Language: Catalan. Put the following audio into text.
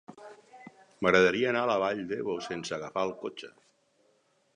M'agradaria anar a la Vall d'Ebo sense agafar el cotxe.